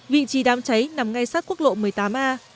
vị trí đám cháy nằm ngay sát quốc lộ một mươi tám a